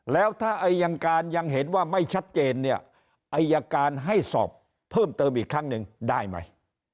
แล้วถ้าอายการยังเห็นว่าไม่ชัดเจนเนี่ยอายการให้สอบเพิ่มเติมอีกครั้งหนึ่งได้ไหม